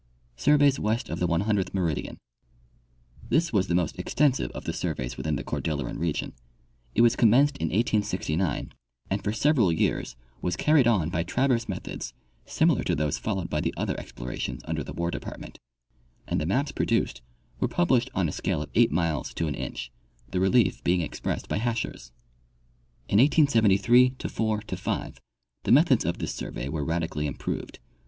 Surveys tvest of the 100th Meridian. — This was the most exten sive of the surveys within the Cordilleran region. It was com menced in 1869, and for several years was carried on by traverse methods similar to those followed by the other explorations under the War department, and the maps produced were pub lished on a scale of 8 miles to an inch, the relief being expressed by hachures. In 1873 '4 '5 the methods of this survey were radically improved.